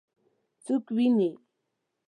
څوک وویني؟